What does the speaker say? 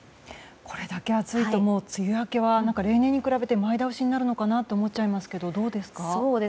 これだけ暑いと梅雨明けは例年に比べて前倒しになるのかなと思いますがどうですか？